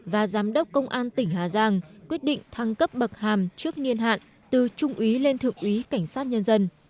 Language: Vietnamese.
và giám đốc công an tỉnh hà giang quyết định thăng cấp bậc hàm trước niên hạn từ trung úy lên thượng úy cảnh sát nhân dân